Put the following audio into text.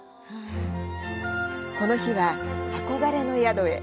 この日は憧れの宿へ。